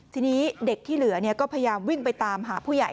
ทีนี้เด็กที่เหลือก็พยายามวิ่งไปตามหาผู้ใหญ่